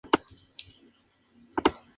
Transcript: Habita en Palawan.